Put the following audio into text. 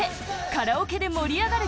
カラオケで盛り上がる